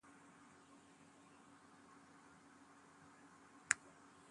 She has a younger sister named Cara.